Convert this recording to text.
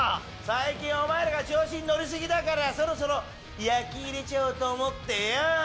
最近お前ら調子に乗り過ぎだからそろそろヤキ入れちゃおうと思ってよ。